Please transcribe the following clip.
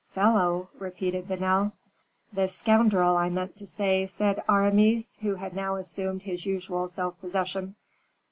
"Fellow!" repeated Vanel. "The scoundrel, I meant to say," added Aramis, who had now resumed his usual self possession.